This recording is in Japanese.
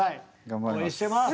頑張ります。